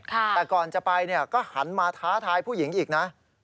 แต่ก่อนจะไปก็หันมาท้าทายผู้หญิงอีกนะ